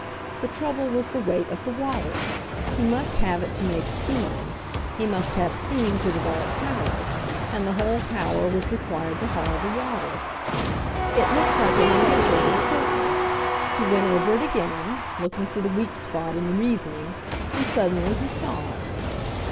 The trouble was the weight of the water. He must have it to make steam ; he must have steam to develop power, and the whole power was re quired to haul the water. It looked like an in exorable circle. He went over it again, looking for the weak spot in the reasoning — and sud denly he saw it.